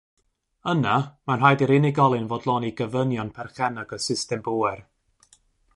Yna mae'n rhaid i'r unigolyn fodloni gofynion perchennog y system bŵer.